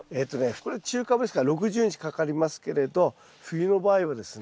これ中カブですから６０日かかりますけれど冬の場合はですね